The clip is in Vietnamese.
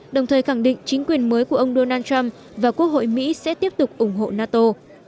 đồng thời khẳng định chính quyền mới của ông donald trump và quốc hội mỹ sẽ tiếp tục ủng hộ nato